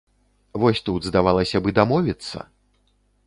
Вось тут, здавалася б, і дамовіцца!